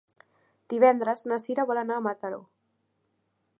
Divendres na Cira vol anar a Mataró.